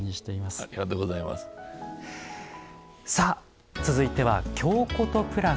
さあ続いては「京コト＋」です。